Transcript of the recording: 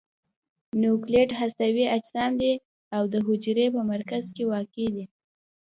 نوکلوئید هستوي اجسام دي او د حجرې په مرکز کې واقع دي.